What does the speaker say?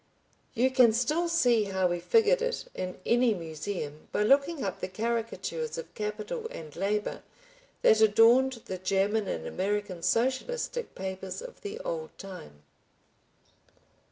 You can still see how we figured it in any museum by looking up the caricatures of capital and labor that adorned the German and American socialistic papers of the old time.